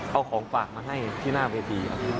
เอาของฝากมาให้ที่หน้าเวที